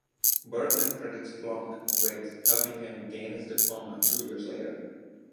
Bergman credits Blanc with helping him gain his diploma two years later.